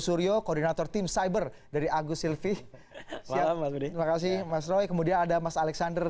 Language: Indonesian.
suryo koordinator tim cyber dari agus silvi siap membantu mas roy kemudian ada mas alexander